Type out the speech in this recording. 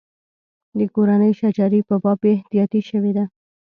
د کورنۍ شجرې په باب بې احتیاطي شوې ده.